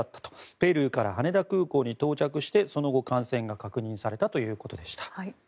ペルーから羽田空港に到着してその後、感染が確認されたということでした。